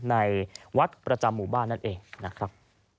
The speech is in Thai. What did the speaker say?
ในวัดประจำหมู่บ้านนั่นเอง